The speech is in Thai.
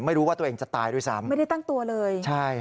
ไม่รู้ว่าตัวเองจะตายด้วยซ้ำไม่ได้ตั้งตัวเลยใช่